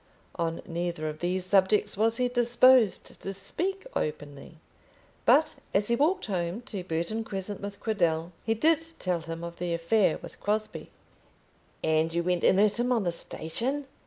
On neither of these subjects was he disposed to speak openly; but as he walked home to Burton Crescent with Cradell, he did tell him of the affair with Crosbie. "And you went in at him on the station?"